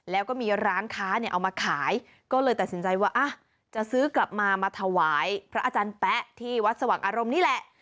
แล้วก็มีร้านค้าเนี่ยเอามาขายก็เลยตัดสินใจว่าจะซื้อกลับมามาถวายพระอาจารย์แป๊ะที่วัดสว่างอารมณ์นี่แหละ